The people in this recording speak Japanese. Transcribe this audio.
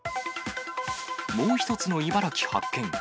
もう一つの茨城発見。